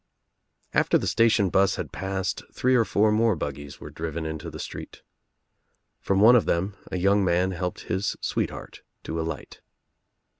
After the station bus had passed three or four more buggies were driven into the street. From one of them a young man helped his sweetheart to alight.